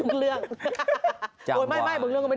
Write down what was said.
อีกทีอะไรพี่มั๊วเนี่ย